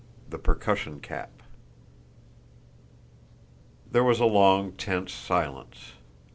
XXIII THE PERCUSSION CAP There was a long, tense silence.